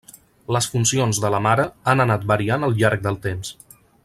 Les funcions de la mare han anat variant al llarg del temps.